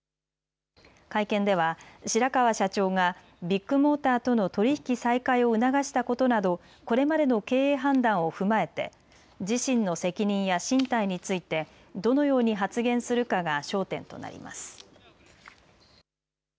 会見では白川社長がビッグモーターとの取り引き再開を促したことなど、これまでの経営判断を踏まえて自身の責任や進退についてどのように発言するかが焦点となります。